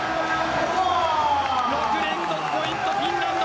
６連続ポイント、フィンランド。